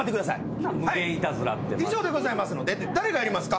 以上でございますので誰がやりますか？